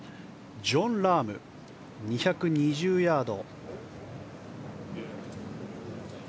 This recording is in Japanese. ジョン・ラーム、２２０ヤード。